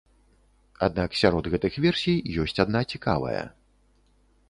Аднак сярод гэтых версій ёсць адна цікавая.